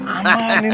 aman ini ada permen